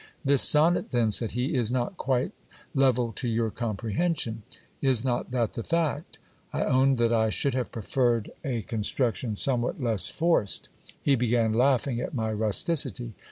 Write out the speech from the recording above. This sonnet then, said he, is not quite level to your comprehension ! Is not that the fact? I owned that I should have preferred a construction somewhat less forced. He began laughing at my rusticity.